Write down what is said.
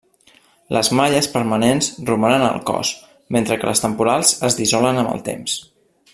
Les malles permanents romanen al cos, mentre que les temporals es dissolen amb el temps.